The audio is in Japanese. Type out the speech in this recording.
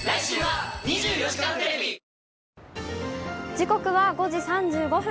時刻は５時３５分。